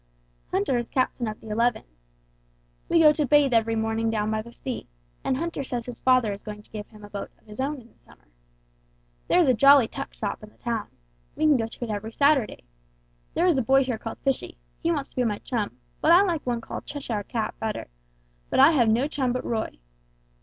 Hunter is captain of the eleven. We go to bathe every morning down by the sea, and Hunter says his father is going to give him a boat of his own in the summer. There is a jolly tuck shop in the town. We can go to it every Saturday. There is a boy here called 'Fishy,' he wants to be my chum but I like one called 'Cheshire Cat' better, but I have no chum but Roy.